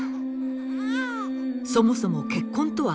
そもそも結婚とは何か？